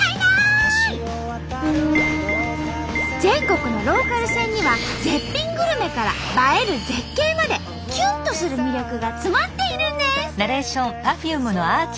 全国のローカル線には絶品グルメから映える絶景までキュンとする魅力が詰まっているんです！